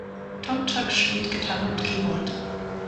Tomczak spielt Gitarre und Keyboard.